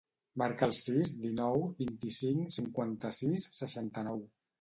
Marca el sis, dinou, vint-i-cinc, cinquanta-sis, seixanta-nou.